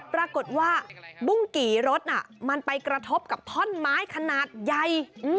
ปรากฏว่าบุ้งกี่รถน่ะมันไปกระทบกับท่อนไม้ขนาดใหญ่